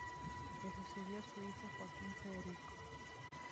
Le sucedió su hijo Joaquín Federico.